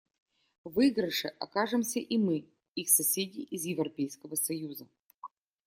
В выигрыше окажемся и мы, их соседи из Европейского союза.